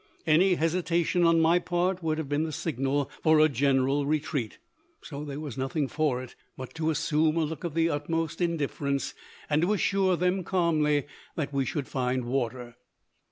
Any hesitation on my part would have been the signal for a general retreat, so there was nothing for it but to assume a look of the utmost indifference, and to assure them calmly that we should find water.